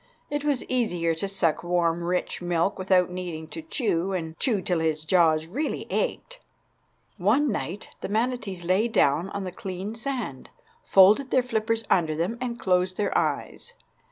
It was easier to suck warm, rich milk, without needing to chew and chew till his jaws really ached. One night the manatees lay down on the clean sand, folded their flippers under them, and closed their eyes.